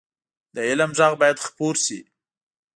د علم غږ باید خپور شي